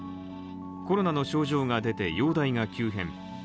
コロナの症状が出て、容体が急変。